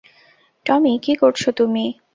টমি, কি করছ তুমি?